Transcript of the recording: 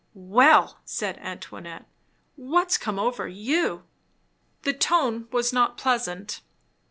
"Well!" said Antoinette, "what's come over you?" The tone was not pleasant.